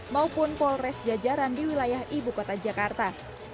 maupun polres jajaran di wilayah ibu kota jakarta